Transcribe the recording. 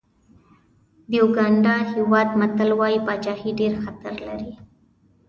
د یوګانډا هېواد متل وایي پاچاهي ډېر خطر لري.